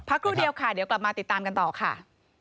ครู่เดียวค่ะเดี๋ยวกลับมาติดตามกันต่อค่ะ